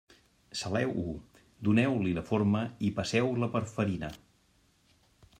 Saleu-ho, doneu-li la forma i passeu-la per farina.